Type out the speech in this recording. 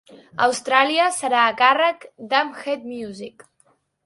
Austràlia serà a càrrec d'AmpHead Music.